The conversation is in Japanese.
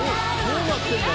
どうなってんだ？